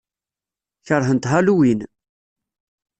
Keṛhent Halloween.